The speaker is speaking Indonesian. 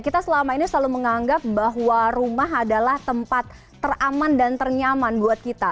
kita selama ini selalu menganggap bahwa rumah adalah tempat teraman dan ternyaman buat kita